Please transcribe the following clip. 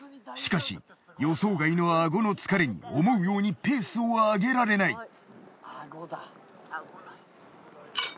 しかし予想外のアゴの疲れに思うようにペースを上げられない。